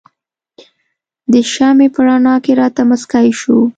د شمعې په رڼا کې راته مسکی شو.